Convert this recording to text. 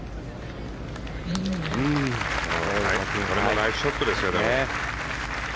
ナイスショットですよね。